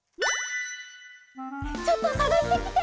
ちょっとさがしてきて！